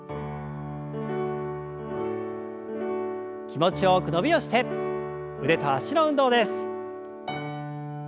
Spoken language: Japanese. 気持ちよく伸びをして腕と脚の運動です。